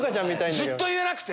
ずっと言えなくて。